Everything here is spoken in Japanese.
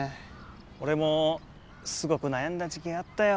俺もすごく悩んだ時期があったよ。